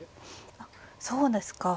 あっそうですか。